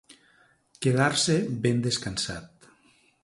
Quedar-se ben descansat.